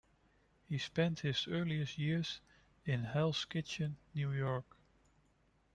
He spent his earliest years in Hell's Kitchen, New York.